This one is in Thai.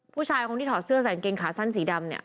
ผู้ชายคนที่ถอดเสื้อใส่กางเกงขาสั้นสีดำเนี่ย